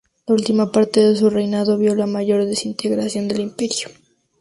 La última parte de su reinado vio la mayor desintegración del imperio.